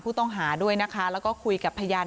ผู้ต้องหาด้วยนะคะแล้วก็คุยกับพยาน